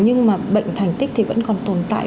nhưng mà bệnh thành tích thì vẫn còn tồn tại